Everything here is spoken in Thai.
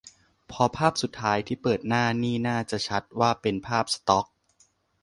พอภาพสุดท้ายที่เปิดหน้านี่น่าจะชัดว่าเป็นภาพสต็อก